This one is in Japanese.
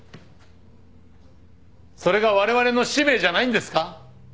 それがわれわれの使命じゃないんですか？